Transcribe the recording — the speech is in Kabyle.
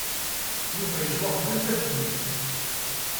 Yuba yeswa qbel tabyirt.